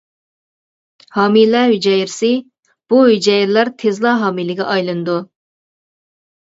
ھامىلە ھۈجەيرىسى: بۇ ھۈجەيرىلەر تېزلا ھامىلىگە ئايلىنىدۇ.